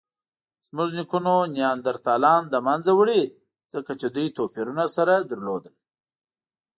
زموږ نیکونو نیاندرتالان له منځه وړي؛ ځکه چې دوی توپیرونه سره لرل.